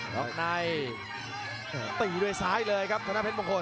จังหวาดึงซ้ายตายังดีอยู่ครับเพชรมงคล